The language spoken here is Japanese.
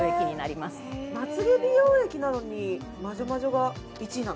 まつ毛美容液なのにマジョマジョが１位なの？